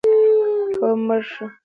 قوم مړ شو.